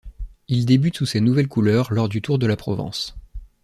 Il débute sous ses nouvelles couleurs lors du Tour de La Provence.